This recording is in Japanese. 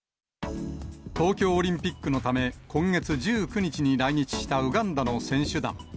東京オリンピックのため、今月１９日に来日したウガンダの選手団。